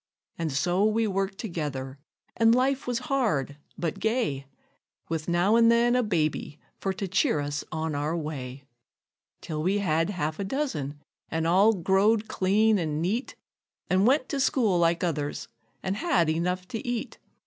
And so we worked together: and life was hard, but gay, With now and then a baby for to cheer us on our way; Till we had half a dozen, an' all growed clean an' neat, An' went to school like others, an' had enough to eat.